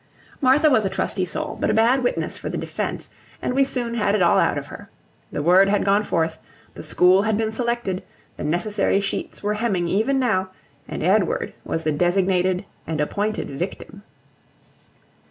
Martha was a trusty soul, but a bad witness for the defence, and we soon had it all out of her. The word had gone forth, the school had been selected; the necessary sheets were hemming even now; and Edward was the designated and appointed victim.